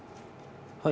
はい。